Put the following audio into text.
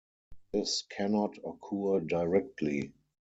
This cannot occur directly.